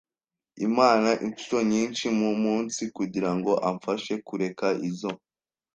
Imana incuro nyinshi mu munsi kugira ngo amfashe kureka izo